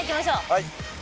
はい。